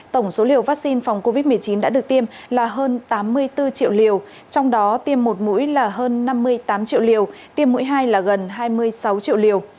tổng số liều vaccine phòng covid một mươi chín đã được tiêm là hơn tám mươi bốn triệu liều trong đó tiêm một mũi là hơn năm mươi tám triệu liều tiêm mũi hai là gần hai mươi sáu triệu liều